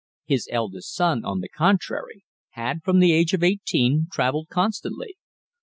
His eldest son, on the contrary, had, from the age of eighteen, travelled constantly.